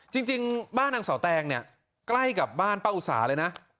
จริงบ้านนางเสาแตงเนี่ยใกล้กับบ้านป้าอุสาเลยนะ